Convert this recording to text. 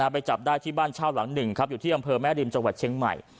ไปจับได้ที่บ้านชาวหลัง๑ครับอยู่ที่อำเภอแม่ดินจเชียงใหม่